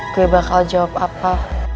gue bakal jawab apa